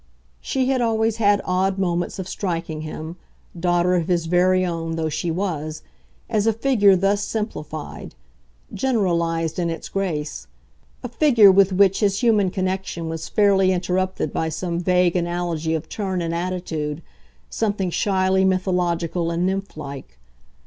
She had always had odd moments of striking him, daughter of his very own though she was, as a figure thus simplified, "generalised" in its grace, a figure with which his human connection was fairly interrupted by some vague analogy of turn and attitude, something shyly mythological and nymphlike.